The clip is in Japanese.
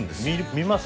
見ます？